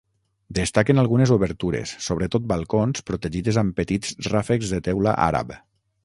Destaquen algunes obertures, sobretot balcons, protegides amb petits ràfecs de teula àrab.